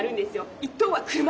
１等は車。